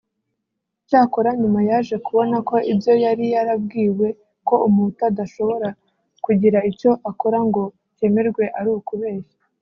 Cyakora nyuma yaje kubona ko ibyo yari yarabwiwe ko Umuhutu adashobora kugira icyo akora ngo cyemerwe ari ukubeshya